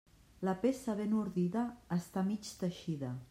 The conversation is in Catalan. La peça ben ordida està mig teixida.